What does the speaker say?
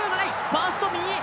ファースト右。